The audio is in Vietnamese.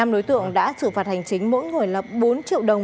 năm đối tượng đã xử phạt hành chính mỗi người lập bốn triệu đồng